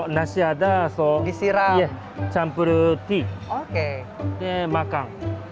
biasanya pakai teh nasi ada campur teh dan makan